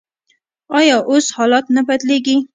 آیا اوس حالات نه بدلیږي؟